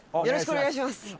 よろしくお願いします。